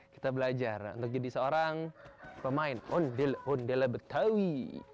kita belajar untuk jadi seorang pemain ondel ondel betawi